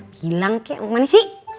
hilang kek mau kemana si